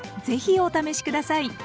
ぜひお試し下さい。